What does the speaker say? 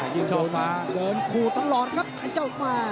โดนแแขวะตลอดครับไอ้เจ้าแม่